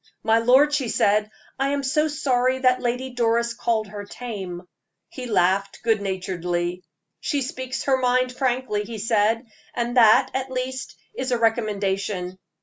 "My lord," she said, "I am so sorry that Lady Doris called her tame." He laughed good naturedly. "She speaks her mind frankly," he said, "and that, at least, is a recommendation.